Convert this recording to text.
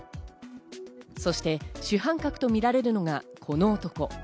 そして主犯格と見られるのがこの男。